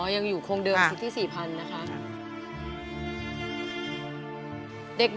อ๋อยังอยู่โครงเดิมที่สี่พันธุ์นะคะ